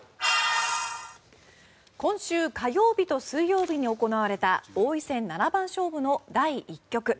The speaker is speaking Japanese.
今週火曜日と水曜日に行われた王位戦七番勝負の第１局。